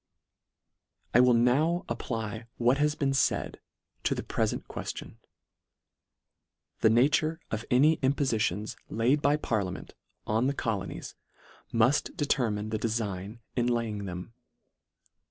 d I will now apply what has been faid to the prefent queftion. The nature of any im pofitions laid by parliament on the colonies, muft determine the deiign in laying them.